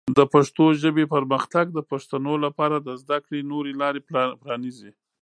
د پښتو ژبې پرمختګ د پښتنو لپاره د زده کړې نوې لارې پرانیزي.